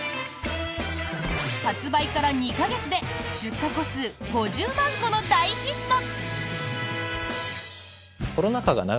発売から２か月で出荷個数５０万個の大ヒット。